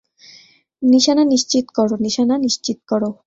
নিশানা নিশ্চিত কর, নিশানা নিশ্চিত কর।